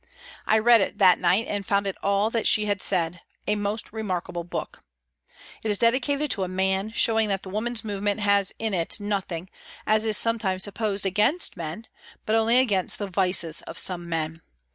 I read it that night and found it all that she had said a most remarkable book. It is dedicated to a man, showing that the woman's movement has in it nothing, as is some times supposed, against men, but only against the vices of some men.